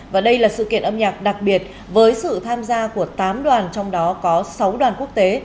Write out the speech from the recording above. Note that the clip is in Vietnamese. và đây là sự kiện âm nhạc đặc biệt với sự tham gia của tám đoàn trong đó có sáu đoàn quốc tế